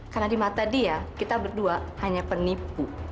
karena di mata dia kita berdua hanya penipu